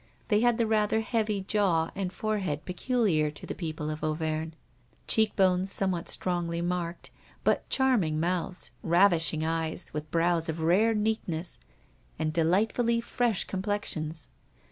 They had the rather heavy jaw and forehead peculiar to the people of Auvergne, cheek bones somewhat strongly marked, but charming mouths, ravishing eyes, with brows of rare neatness, and delightfully fresh complexions.